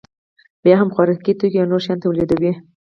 بیا هم خوراکي توکي او نور شیان تولیدوي